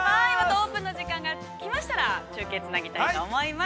◆オープンの時間が来ましたら、中継つなぎたいと思います。